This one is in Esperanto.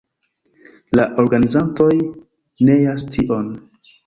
La organizantoj neas tion.